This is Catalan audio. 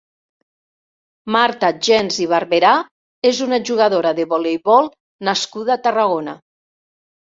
Marta Gens i Barberà és una jugadora de voleibol nascuda a Tarragona.